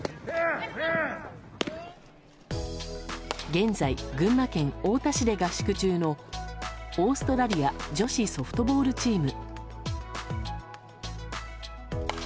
現在、群馬県太田市で合宿中のオーストラリア女子ソフトボールチーム。